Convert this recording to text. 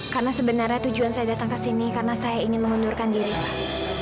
karena sebenarnya tujuan saya datang ke sini karena saya ingin mengundurkan diri pak